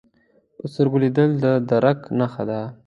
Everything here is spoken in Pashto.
په سترګو لیدل د درک نښه ده